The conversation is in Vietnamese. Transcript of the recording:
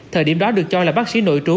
thời điểm đó được cho là bác sĩ nội trú